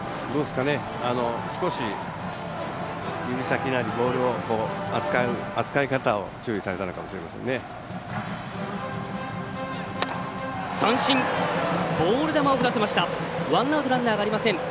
少し指先なり、ボールの扱い方を注意されたのかもしれないですね。